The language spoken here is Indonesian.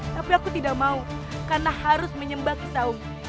tapi aku tidak mau karena harus menyembah kisahung